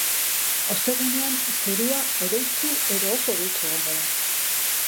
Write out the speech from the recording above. Ostegunean, zerua hodeitsu edo oso hodeitsu egongo da.